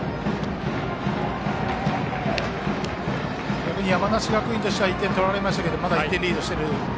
逆に山梨学院としては１点は取られましたけれどもまだ１点リードしている。